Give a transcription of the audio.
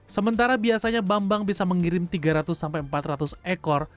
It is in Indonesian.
sementara biasanya bambang bisa mengirim tiga ratus empat ratus ekor